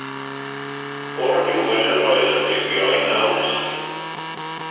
O'r diwedd roedd yn digio'i naws.